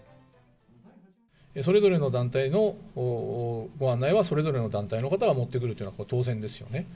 それぞれの団体のご案内は、それぞれの団体の方が持ってくるというのはこれ、当然ですよね。